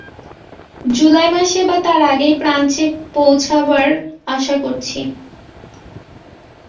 জুলাই মাসে বা তার আগেই ফ্রান্সে পৌঁছবার আশা করছি।